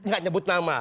gak nyebut nama